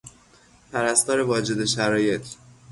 پرستار واجد شرایط